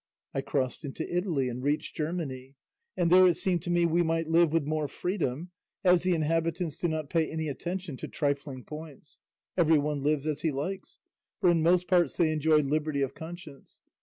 I crossed into Italy, and reached Germany, and there it seemed to me we might live with more freedom, as the inhabitants do not pay any attention to trifling points; everyone lives as he likes, for in most parts they enjoy liberty of conscience.